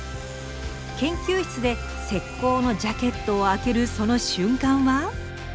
研究室で石こうのジャケットを開けるその瞬間は。